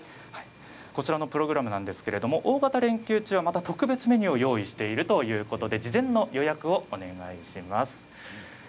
こちらのプログラムですが大型連休中はまた特別メニューを用意しているということで事前の予約をお願いします。